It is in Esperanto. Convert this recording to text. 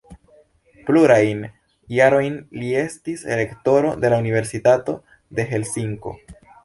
Plurajn jarojn li estis rektoro de la Universitato de Helsinko.